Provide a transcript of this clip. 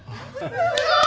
すごーい！